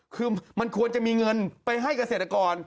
คือมันควรจะมีเงินไปให้เกษตรกร